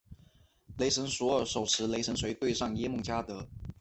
雷神索尔手持雷神之锤对上耶梦加得。